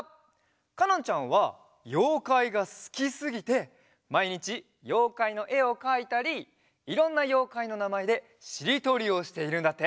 かのんちゃんはようかいがすきすぎてまいにちようかいのえをかいたりいろんなようかいのなまえでしりとりをしているんだって。